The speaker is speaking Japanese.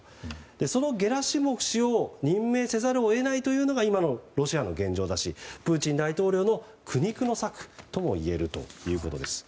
そのゲラシモフ氏を任命せざるを得ないというのが今のロシアの現状だしプーチン大統領の苦肉の策ともいえるということです。